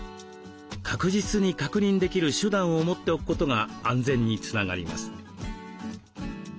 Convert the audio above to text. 確実に確認できる手段を持っておくことが安全につながります。